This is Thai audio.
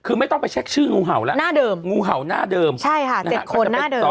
คือไม่ต้องไปแช็กชื่องูเห่าล่ะงูเห่าน่าเดิมใช่ค่ะ๗คนน่าเดิม